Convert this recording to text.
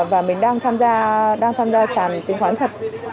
và mình đang tham gia sàn chứng khoán thật